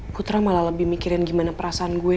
putra malah lebih mikirin gimana perasaan gue